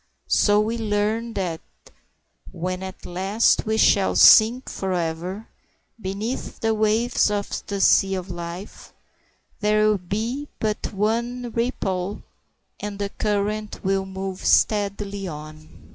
So we learn that when at last we shall sink forever beneath the waves of the sea of life, there will be but one ripple, and the current will move steadily on.